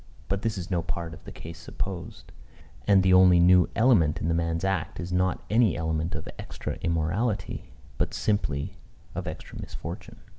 But this is no part of the case supposed. And the only new element in the man's act is not any element of extra immorality, but simply of extra misfortune.